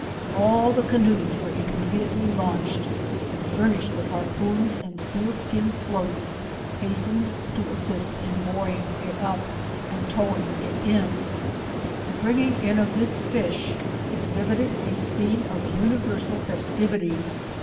Ail the canoes were immediately lannched, and, furnished with harpoons and seal skin floats, has tened to assist in buoying it up, and towiug it in. The bringing in of this fish exhibited a scene of universal festivity.